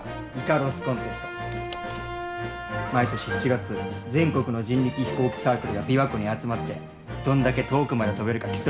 毎年７月全国の人力飛行機サークルが琵琶湖に集まってどんだけ遠くまで飛べるか競うんや。